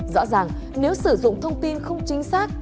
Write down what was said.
rõ ràng nếu sử dụng thông tin không chính xác